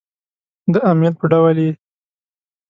د امیل په ډول يې